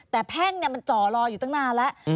แต่แพ่งนี่มันจ่อรออยู่ตรงหน้าแล้ว